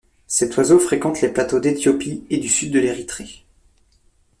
Cet oiseau fréquente les plateaux d'Éthiopie et du sud de l'Érythrée.